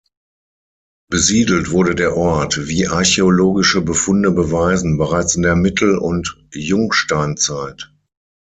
Besiedelt wurde der Ort, wie archäologische Befunde beweisen, bereits in der Mittel- und Jungsteinzeit.